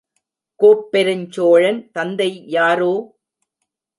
கோப்பெருஞ் சோழன் தந்தை யாரோ?